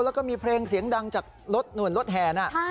แล้วก็มีเพลงเสียงดังจากรถหน่วยรถแห่นะ